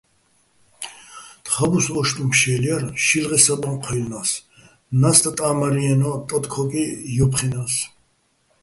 თხაბუს ო́შტუჼ ფშე́ლ ჲარ, შილღეჼ საბაჼ ჴუჲლლნა́ს, ნასტ ტა́მარჲენო ტოტ-ქო́კი ჲოფხჲინა́ს.